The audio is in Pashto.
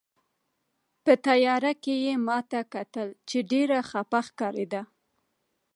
په تیارې کې یې ما ته کتل، چې ډېره خپه ښکارېده.